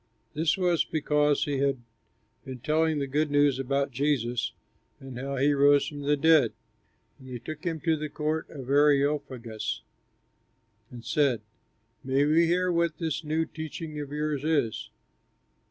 This was because he had been telling the good news about Jesus and how he rose from the dead. And they took him to the Court of Areopagus and said, "May we hear what this new teaching of yours is?